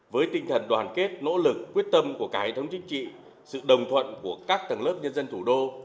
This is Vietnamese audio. với tinh thần đoàn kết nỗ lực quyết tâm của cả hệ thống chính trị sự đồng thuận của các tầng lớp nhân dân thủ đô